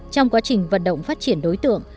trong quá trình vận động phát triển đối tượng